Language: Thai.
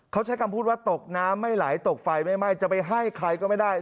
เขาใช้คำพูดว่าตกน้ำไม่ไหลตกไฟไม่ไหม้จะไปให้ใครก็ไม่ได้